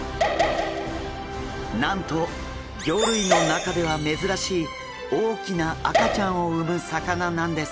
なんと魚類の中では珍しい大きな赤ちゃんを産む魚なんです。